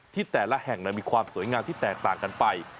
ที่แต่ละแห่งมีความสวยงามที่แตกต่างกันไป